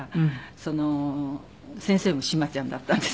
先生も「志麻ちゃん」だったんですけど。